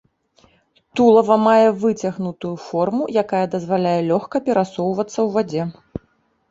Тулава мае выцягнутую форму, якая дазваляе лёгка перасоўвацца ў вадзе.